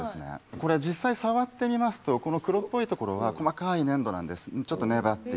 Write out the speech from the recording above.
これ実際触ってみますとこの黒っぽいところは細かい粘土なんですちょっと粘っています。